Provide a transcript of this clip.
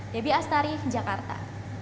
debbie astari jakarta